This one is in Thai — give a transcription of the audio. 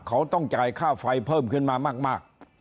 เขาต้องจ่ายค่าไฟเพิ่มขึ้นมามาก